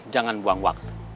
jangan buang waktu